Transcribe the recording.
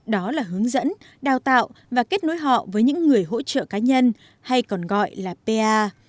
đó là hướng dẫn đào tạo và kết nối họ với những người hỗ trợ cá nhân hay còn gọi là pa